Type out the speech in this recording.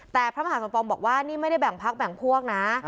แต่พระมหาสมปองบอกว่านี่ไม่ได้แบ่งพักแบ่งพวกนะ